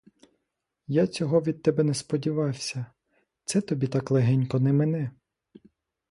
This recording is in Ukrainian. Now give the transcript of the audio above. Я цього від тебе не сподівався, це тобі так легенько не мине.